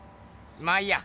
まあいいや。